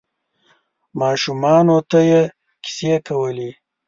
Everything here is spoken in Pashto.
ماشومانو ته یې کیسې کولې.